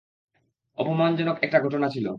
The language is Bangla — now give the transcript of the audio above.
অপমানজনক একটা ঘটনা ছিল।